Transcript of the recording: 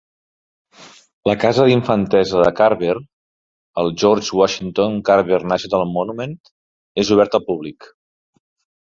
La casa d'infantesa de Carver, el George Washington Carver National Monument, és oberta al públic.